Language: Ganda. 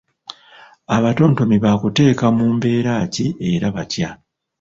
Abatontomi bakuteeka mu mbeera ki era batya?